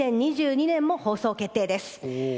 ２０２２年も放送決定です。